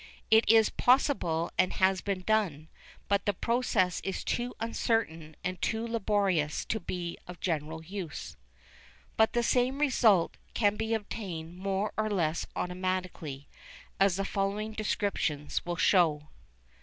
It is possible and has been done, but the process is too uncertain and too laborious to be of general use. But the same result can be attained more or less automatically, as the following descriptions will show.